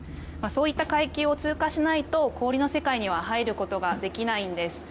そういった海域を通過しないと氷の世界には入ることができないんです。